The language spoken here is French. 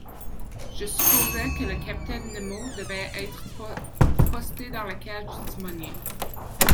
Je supposai que le capitaine Nemo devait être posté dans la cage du timonnier.